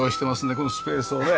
このスペースをね。